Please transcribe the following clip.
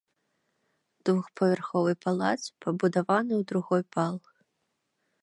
Двухпавярховы палац пабудаваны ў другой пал.